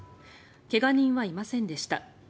怪我人はいませんでした。